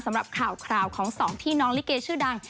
สำหรับข่าวของสองพี่น้องลิเกชื่อดัง